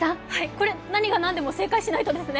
これ何が何でも正解しないとですね。